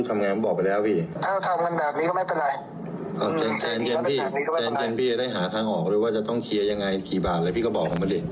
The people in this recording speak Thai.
แจนพี่จะได้หาทางออกด้วยว่าจะต้องเคลียร์ยังไงกี่บาทอะไรพี่ก็บอกเขามาดิ